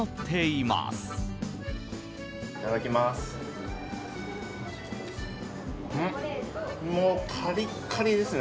いただきます。